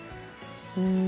うん。